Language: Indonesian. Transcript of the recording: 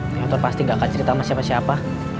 tentu pasti nggak akan cerita sama siapa siapa